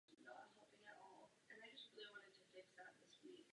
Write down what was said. Dá se také řídit samostatně.